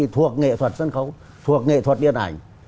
thuộc nghệ thuật sân khấu thuộc nghệ thuật điện ảnh